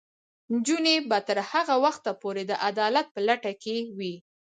نجونې به تر هغه وخته پورې د عدالت په لټه کې وي.